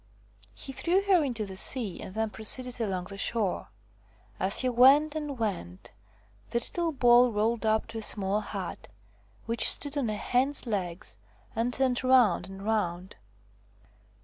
He threw her into the sea and then proceeded along the shore. As he went and went, the little ball rolled up to a small hut which stood on a hen's legs and turned round and round.